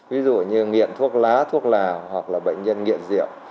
ví dụ như nghiện thuốc lá thuốc lào hoặc là bệnh nhân nghiện rượu